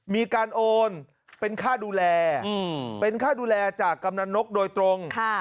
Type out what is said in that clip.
มีการโอนเป็นค่าดูแลเป็นค่าดูแลจากกำนันนกโดยตรง